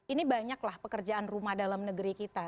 ini banyaklah pekerjaan rumah dalam negeri kita